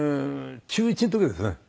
中１の時ですね。